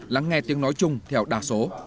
lắng nghe tiếng nói chung theo đa số